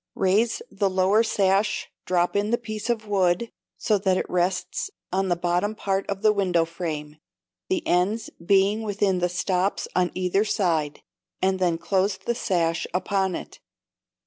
Raise the lower sash drop in the piece of wood, so that it rests on the bottom part of the window frame, the ends being within the stops on either side, and then close the sash upon it.